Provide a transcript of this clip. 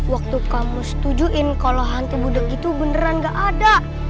waktu kamu setujuin kalau hantu gudeg gitu beneran gak ada